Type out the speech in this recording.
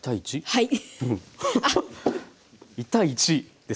はい。